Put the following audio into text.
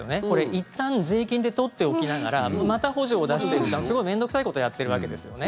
いったん税金で取っておきながらまた補助を取っているとかすごく面倒臭いことをやっているわけですよね。